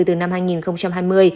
từ năm hai nghìn hai mươi